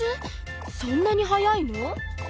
そんなに早いの？